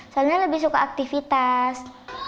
soalnya lebih suka aktivitas